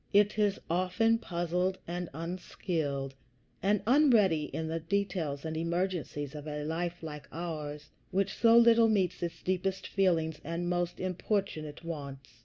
It is often puzzled, and unskilled, and unready in the details and emergencies of a life like ours, which so little meets its deepest feelings and most importunate wants.